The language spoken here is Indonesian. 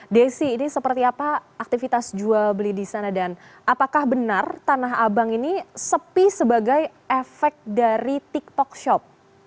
desi ini seperti apa aktivitas jual beli di sana dan apakah benar tanah abang ini sepi sebagai efek dari tiktok shop